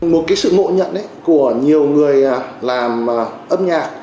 một cái sự ngộ nhận ấy của nhiều người làm âm nhạc